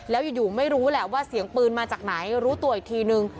แล้วอยู่ไม่รู้แหละว่าเสียงปืนมาจากไหนรู้ตัวอีกทีนึง